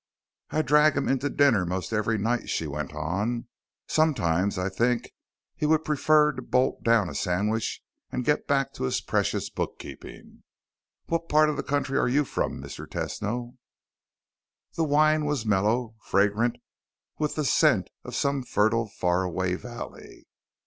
"I drag him in to dinner most every night," she went on. "Sometimes I think he would prefer to bolt down a sandwich and get back to his precious bookkeeping. What part of the country are you from, Mr. Tesno?" The wine was mellow, fragrant with the scent of some fertile, faraway valley.